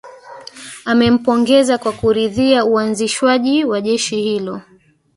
Amempongeza kwa kuridhia uanzishwaji wa jeshi hilo